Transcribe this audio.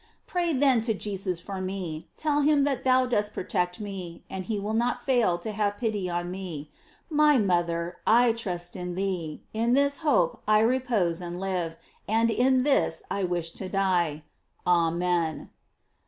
Pray then to Jesus for me, tell him that thou dost protect me, and he will not fail to have pity on me. My moth er, I trust in thee; in this hope I repose and live, and in this I wish to die. Amen.